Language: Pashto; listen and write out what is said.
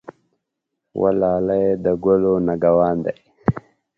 وه لالی د ګلو نګه وان دی.